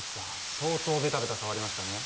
相当ベタベタ触りましたね？